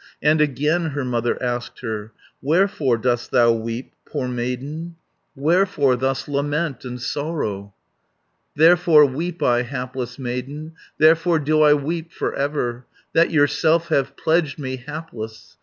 And again her mother asked her, "Wherefore dost thou weep, poor maiden. Wherefore thus lament and sorrow?" "Therefore weep I, hapless maiden, Therefore do I weep for ever, That yourself have pledged me, hapless.